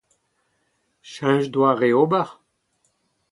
Cheñch doare ober ?